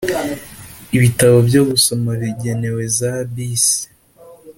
Ibitabo byo gusoma bigenewe za bisi